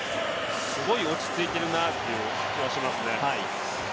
すごい落ち着いているなっていう気はしますね。